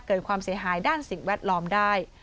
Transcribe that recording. เกิดความเสียหายด้านสิ่งแวดล้อมได้